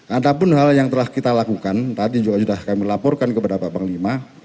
ada pun hal yang telah kita lakukan tadi juga sudah kami laporkan kepada pak panglima